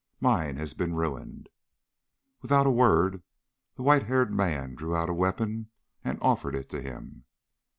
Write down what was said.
Mine has been ruined." Without a word, the white haired man drew out a weapon and offered it to him.